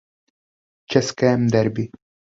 Českém derby.